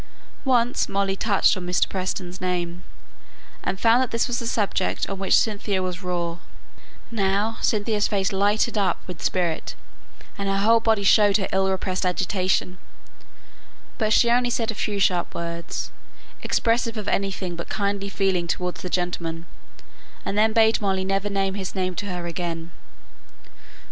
Once Molly touched on Mr. Preston's name, and found that this was a subject on which Cynthia was raw; now, Cynthia's face lighted up with spirit, and her whole body showed her ill repressed agitation, but she only said a few sharp words, expressive of anything but kindly feeling towards the gentleman, and then bade Molly never name his name to her again.